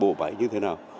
bộ đội vụ phải như thế nào